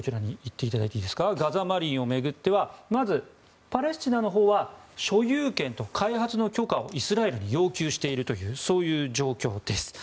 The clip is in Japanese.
ガザ・マリンを巡ってはまず、パレスチナのほうは所有権と開発の許可をイスラエルに要求しているというそういう状況です。